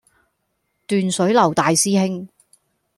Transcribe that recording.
斷水流大師兄